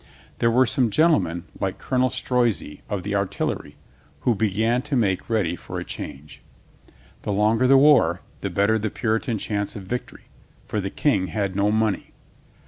There were some gen tlemen, like Colonel Strozzi of the artillery, who began to make ready for a change. The longer the war, the better the Puritan chance of victory; for the King had no money.